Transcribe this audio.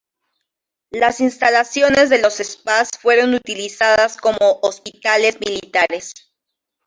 Las instalaciones de los spas fueron utilizadas como hospitales militares.